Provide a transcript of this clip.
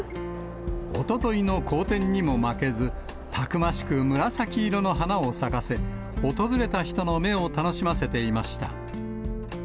おとといの荒天にも負けず、たくましく紫色の花を咲かせ、訪れた人の目を楽しませていました。